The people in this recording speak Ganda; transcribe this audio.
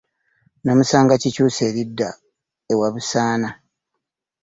Namusanga Kikyusa ku lidda e Wabusaana.